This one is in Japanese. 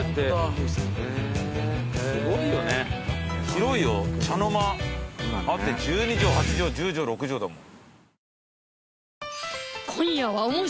広いよ茶の間あって１２畳８畳１０畳６畳だもん。